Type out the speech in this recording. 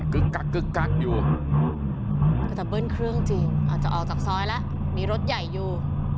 ึกกักกึกกักอยู่ก็จะเบิ้ลเครื่องจริงอาจจะออกจากซอยแล้วมีรถใหญ่อยู่